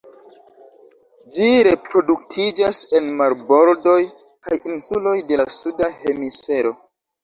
Ĝi reproduktiĝas en marbordoj kaj insuloj de la suda hemisfero.